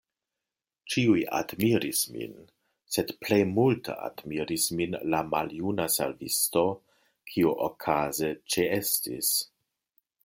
Ĉiuj admiris min, sed plej multe admiris min la maljuna servisto, kiu okaze ĉeestis.